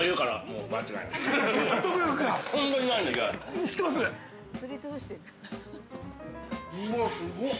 ◆うわ、すごっ！